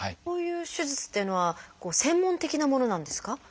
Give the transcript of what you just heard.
こういう手術っていうのは専門的なものなんですか？